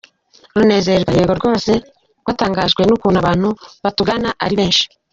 Runezerwa: Yego rwose, twatangajwe n’ukuntu abantu batugana ari benshi.